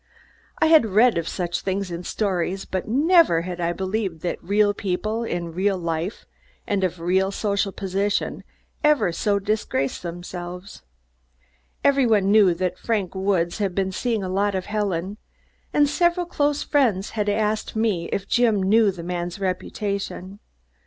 I had read of such things in stories, but never had I believed that real people, in real life and of real social position, ever so disgraced themselves. Every one knew that Frank Woods had been seeing a lot of Helen, and several close friends had asked me if Jim knew the man's reputation.